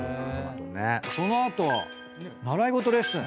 その後習い事レッスン。